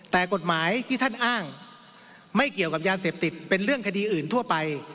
แต่กฎหมายที่ท่านอ้างไม่เกี่ยวกับยาเสพติดเป็นเรื่องคดีอื่นทั่วไป